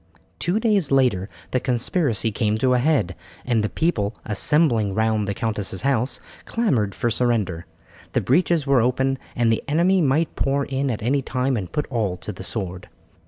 Two days later the conspiracy came to a head, and the people, assembling round the countess's house, clamoured for surrender. The breaches were open, and the enemy might pour in at any time and put all to the sword.